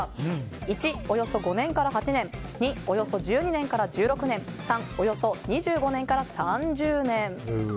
１、およそ５年から８年２、およそ１２年から１６年３、およそ２５年から３０年。